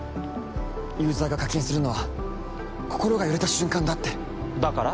ユーザーが課金するのは「心が揺れた瞬間」だってだから？